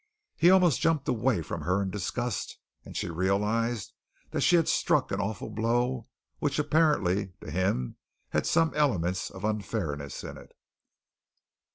He almost jumped away from her in disgust, and she realized that she had struck an awful blow which apparently, to him, had some elements of unfairness in it.